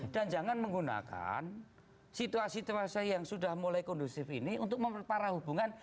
dan jangan menggunakan situasi situasi yang sudah mulai kondusif ini untuk memperparah hubungan